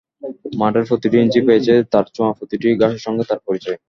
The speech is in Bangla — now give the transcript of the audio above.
মাঠের প্রতিটি ইঞ্চি পেয়েছে তাঁর ছোঁয়া, প্রতিটি ঘাসের সঙ্গে তাঁর পরিচয়।